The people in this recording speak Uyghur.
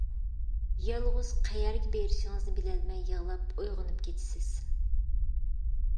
يالغۇز قەيەرگە بېرىشىڭىزنى بىلەلمەي يىغلاپ ئويغىنىپ كېتىسىز.